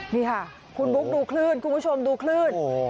นี่ค่ะคุณบุ๊คดูคลื่นคุณผู้ชมดูคลื่น